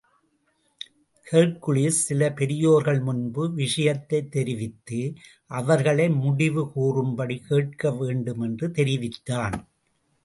Hercules, சில பெரியோர்கள் முன்பு விஷயத்தைத் தெரிவித்து, அவர்களை முடிவு கூறும்படி கேட்க வேண்டும் என்று தெரிவித்தான்.